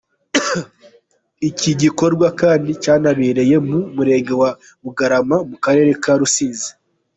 Iki gikorwa kandi cyanabereye mu murenge wa Bugarama mu karere ka Rusizi.